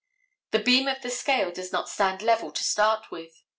The beam of the scale does not stand level to start with.